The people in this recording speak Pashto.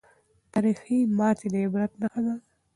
تاریخي ماتې د عبرت نښه ده.